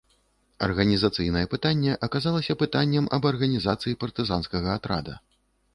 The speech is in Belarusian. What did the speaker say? Арганізацыйнае пытанне аказалася пытаннем аб арганізацыі партызанскага атрада.